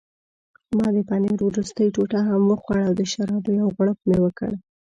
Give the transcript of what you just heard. ما د پنیر وروستۍ ټوټه هم وخوړه او د شرابو یو غوړپ مې وکړ.